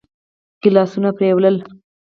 ګيلاسونه پرېولي.